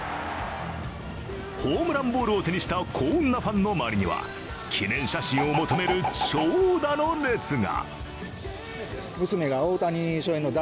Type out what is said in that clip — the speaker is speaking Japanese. ホームランボールを手にした幸運なファンの周りには記念写真を求める長蛇の列が。